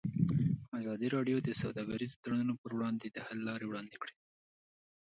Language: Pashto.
ازادي راډیو د سوداګریز تړونونه پر وړاندې د حل لارې وړاندې کړي.